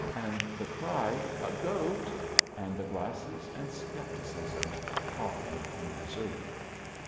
And the cry "A goat!" and the glasses, and skepticism often undeserved.